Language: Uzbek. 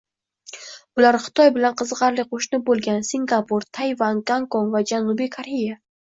Bular Xitoy bilan qiziqarli qo'shni bo'lgan Singapur, Tayvan, Gonkong va Janubiy Koreya